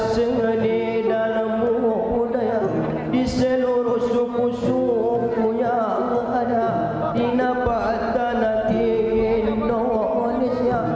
sebuah kemampuan yang berharga dan berharga yang berharga